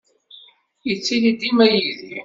Yettili dima yid-i.